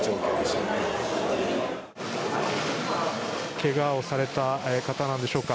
怪我をされた方なんでしょうか。